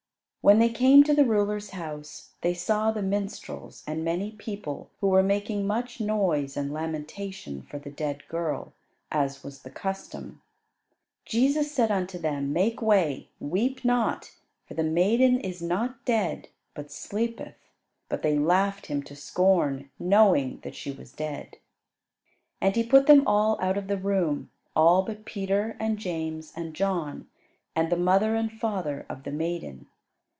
When they came to the ruler's house they saw the minstrels and many people who were making much noise and lamentation for the dead girl, as was the custom. Jesus said unto them, "Make way; weep not, for the maiden is not dead, but sleepeth;" but they laughed Him to scorn, knowing that she was dead. And He put them all out of the room, all but Peter and James and John, and the mother and father of the maiden.